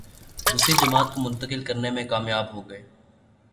دوسری جماعت کو منتقل کرنے میں کامیاب ہو گئے۔